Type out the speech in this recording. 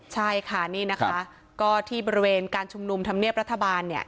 ใช่ค่ะนี่นะคะก็ที่บริเวณการชุมนุมธรรมเนียบรัฐบาลเนี่ย